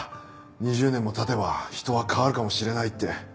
２０年も経てば人は変わるかもしれないって。